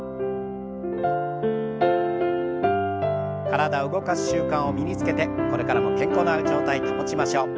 体を動かす習慣を身につけてこれからも健康な状態保ちましょう。